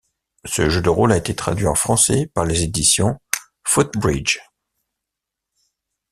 Ce jeu de rôle a été traduit en français par les éditions Footbridge.